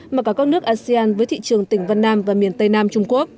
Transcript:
mà cả các nước asean với thị trường tỉnh vân nam và miền tây nam trung quốc